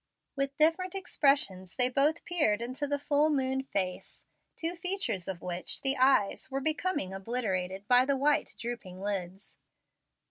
With different expressions they both peered into the full moon face, two features of which, the eyes, were becoming obliterated by the white, drooping lids.